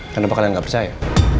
kenapa kalian nggak percaya